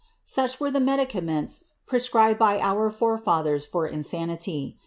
Such were the medica ments prescribed by our forefathers for insanity.